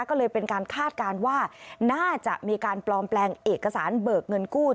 ก็เลยเป็นการคาดการณ์ว่าน่าจะมีการปลอมแปลงเอกสารเบิกเงินกู้